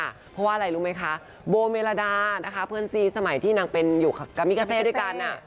เพราะว่าอะไรรู้ไหมคะโบเมลาดานะคะเพื่อนซีสมัยที่นางเป็นอยู่กับกามิกาเซด้วยกัน